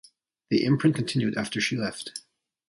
The imprint continued after she left.